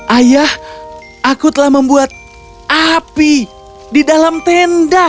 ayah aku telah membuat api di dalam tenda